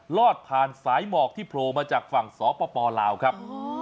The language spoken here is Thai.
ลอดผ่านสายหมอกที่โผล่มาจากฝั่งสปลาวครับ